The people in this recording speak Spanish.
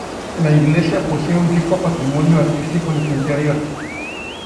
La iglesia posee un rico patrimonio artístico en su interior.